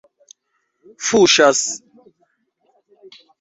fuŝas